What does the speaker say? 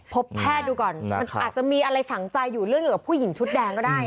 พบแพทย์ดูก่อนมันอาจจะมีอะไรฝังใจอยู่เรื่องเกี่ยวกับผู้หญิงชุดแดงก็ได้